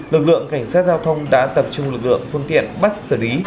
lực lượng cảnh sát giao thông đã tập trung lực lượng phương tiện bắt xử lý